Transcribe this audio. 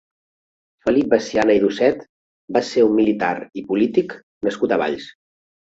Felip Veciana i Dosset va ser un militar i polític nascut a Valls.